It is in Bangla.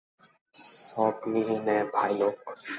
সব নিয়ে নে, ভাইলোগ।